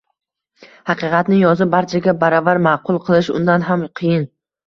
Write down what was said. Haqiqatni yozib, barchaga baravar ma’qul qilish undan ham qiyin.